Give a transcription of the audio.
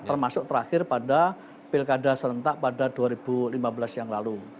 termasuk terakhir pada pilkada serentak pada dua ribu lima belas yang lalu